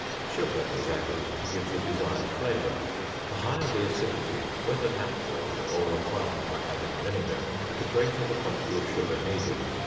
Sugar is added to give the desired flavor. The higher the acidity, whether natural, or acquired by adding vinegar, the greater the quantity of sugar needed.